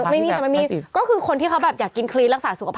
ไม่มีก็คือคนที่เขาแบบอยากกินคลีนรักษาสุขภาพนะ